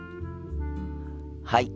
はい。